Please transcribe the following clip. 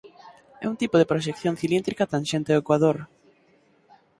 É un tipo de proxección cilíndrica tanxente ao ecuador.